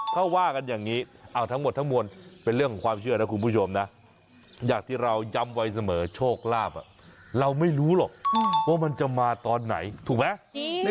เขาว่ากันอย่างนี้ทั้งหมดทั้งมวลเป็นเรื่องของความเชื่อนะคุณผู้ชมนะอย่างที่เราย้ำไว้เสมอโชคลาภเราไม่รู้หรอกว่ามันจะมาตอนไหนถูกไหม